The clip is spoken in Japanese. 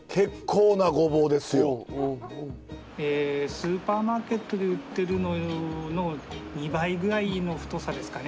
スーパーマーケットで売ってるのの２倍ぐらいの太さですかね。